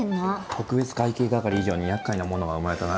特別会計係以上にやっかいなものが生まれたな。